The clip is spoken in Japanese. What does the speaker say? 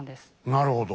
なるほど。